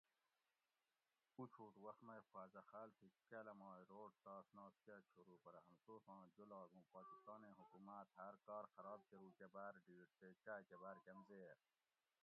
اُچھوُٹ وخ مئ خوازہ خال تھی کالامائ روڑ تاس ناس کاۤ چھورو پرہ ھمسوساں جولاگ ھوں پاکستانیں حکومات ہاۤر کار خراب کروکہ باۤر ڈیٹ تے چاۤ کہ باۤر کمزیر